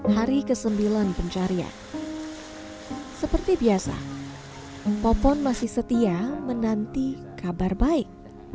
hari ke sembilan pencarian seperti biasa popon masih setia menanti kabar baik